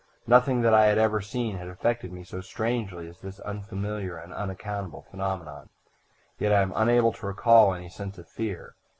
"Nothing that I had ever seen had affected me so strangely as this unfamiliar and unaccountable phenomenon, yet I am unable to recall any sense of fear.